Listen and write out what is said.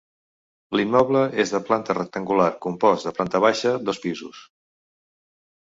L'immoble és de planta rectangular compost de planta baixa, dos pisos.